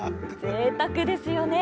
ぜいたくですよね。